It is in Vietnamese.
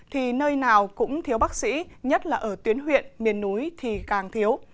thì nơi nào cũng thiếu bác sĩ nhất là ở tuyến huyện miền núi thì càng thiếu